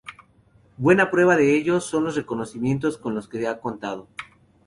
Buena prueba de ello son los reconocimientos con los que ha contado.